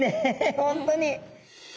本当に！